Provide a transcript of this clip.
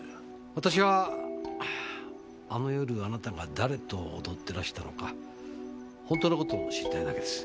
私はあの夜あなたが誰と踊ってらしたのか本当の事を知りたいだけです。